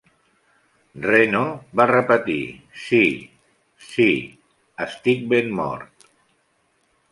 Reno va repetir: "Sí, sí, estic ben mort".